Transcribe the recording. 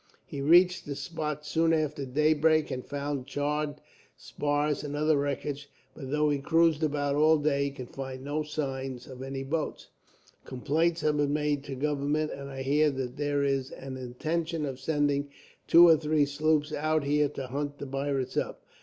He reached the spot soon after daybreak, and found charred spars and other wreckage; but though he cruised about all day, he could find no signs of any boats. Complaints have been made to government, and I hear that there is an intention of sending two or three sloops out here to hunt the pirates up.